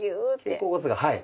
肩甲骨がはい。